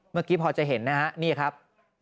เมื่อกี้พอจะเห็นนะฮะนี่ครับ